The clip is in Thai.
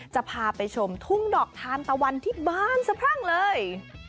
จะพาไปชมทุ่งดอกทานตะวันที่บานสะพรั่งเลย